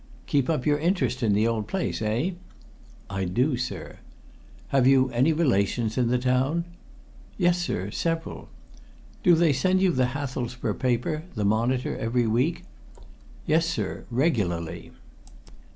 "Keep up your interest in the old place, eh?" "I do, sir." "Have you any relations in the town?" "Yes, sir, several." "Do they send you the Hathelsborough paper, the Monitor, every week?" "Yes, sir, regularly."